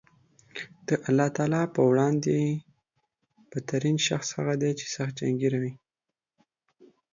د الله تعالی په وړاندې بد ترین شخص هغه دی چې سخت جنګېره وي